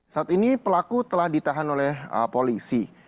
saat ini pelaku telah ditahan oleh polisi